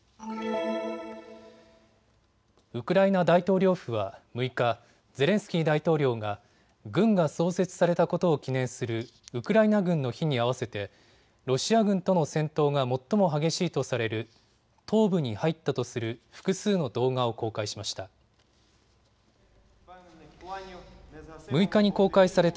ウクライナ大統領府は６日、ゼレンスキー大統領が軍が創設されたことを記念するウクライナ軍の日に合わせてロシア軍との戦闘が最も激しいとされる東部に入ったとする複数の動画を公開しました。